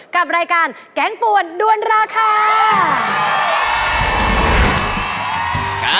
กับรายการแกงป่วนด้วนราคา